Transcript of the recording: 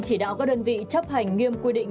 chỉ đạo các đơn vị chấp hành nghiêm quy định